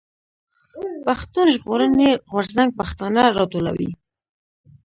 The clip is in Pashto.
پښتون ژغورني غورځنګ پښتانه راټولوي.